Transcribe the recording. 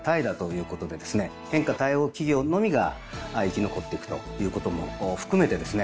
変化対応企業のみが生き残っていくということも含めてですね